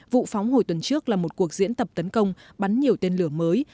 vụ phóng hồi tuần trước là một cuộc diễn tập tấn công bắn nhiều tên lửa mới